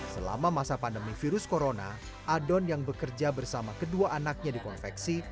selama masa pandemi virus corona adon yang bekerja bersama kedua anaknya di konveksi